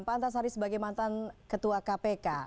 pak antasari sebagai mantan ketua kpk